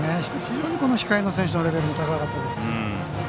控えの選手のレベルも高かったです。